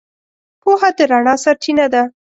پوهه د رڼا سرچینه ده.